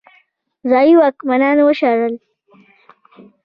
ځايي واکمنان وشړل.